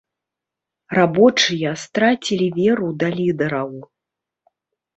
Рабочыя страцілі веру да лідэраў.